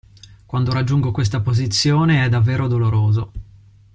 Quando raggiungo questa posizione, è davvero doloroso.